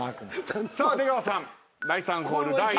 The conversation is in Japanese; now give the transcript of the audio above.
さあ出川さん第３ホール第１打です。